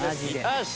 よし！